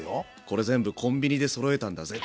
これ全部コンビニでそろえたんだぜ。